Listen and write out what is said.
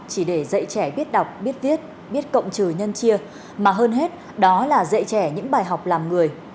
chỉ để dạy trẻ biết đọc biết viết biết cộng trừ nhân chia mà hơn hết đó là dạy trẻ những bài học làm người